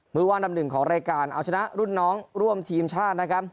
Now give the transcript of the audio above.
มือว่างดำหนึ่งของรายการเอาชนะรุ่นน้องร่วมทีมชาตินะครับ